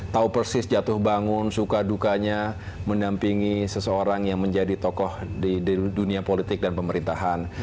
tahu persis jatuh bangun suka dukanya mendampingi seseorang yang menjadi tokoh di dunia politik dan pemerintahan